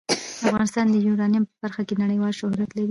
افغانستان د یورانیم په برخه کې نړیوال شهرت لري.